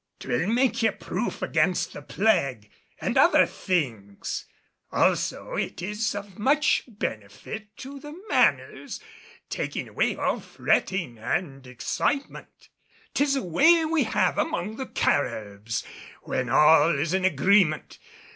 'Twill make ye proof against the plague, and other things. Also it is of much benefit to the manners, taking away all fretting an' excitement. 'Tis a way we have among the Caribs, when all is in agreement.